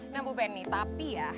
nah bu benny tapi ya